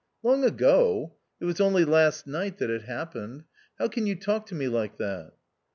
"Long ago ! it was only last night that it happened. How can you talk to me like that